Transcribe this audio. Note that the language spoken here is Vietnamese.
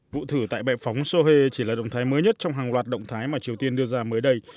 vụ thử tại bệ phóng sohe chỉ là động thái mới nhất trong hàng loạt động thái mà triều tiên đưa ra mới đây